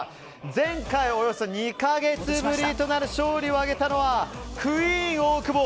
前回およそ２か月ぶりとなる勝利を挙げたのはクイーン大久保！